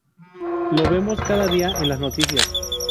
Lo vemos cada día en las noticias.